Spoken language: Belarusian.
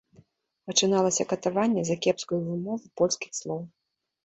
Пачыналася катаванне за кепскую вымову польскіх слоў.